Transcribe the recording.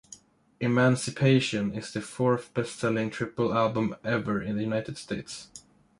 "Emancipation" is the fourth-best-selling triple album ever in the United States.